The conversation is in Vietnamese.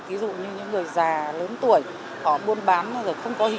ví dụ như những người già lớn tuổi